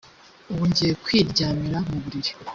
ubu ngiye kwiryamira mu buriri